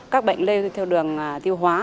các bệnh lê theo đường tiêu hóa